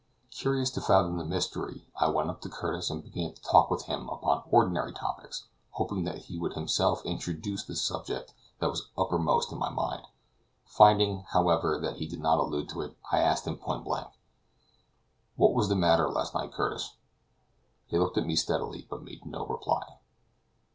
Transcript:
Curious to fathom the mystery I went up to Curtis and began to talk with him upon ordinary topics, hoping that he would himself introduce the subject that was uppermost in my mind; finding, however, that he did not allude to it, I asked him point blank: "What was the matter in the night, Curtis?" He looked at me steadily, but made no reply.